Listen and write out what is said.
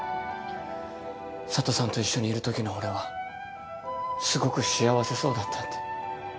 佐都さんと一緒にいるときの俺はすごく幸せそうだったって。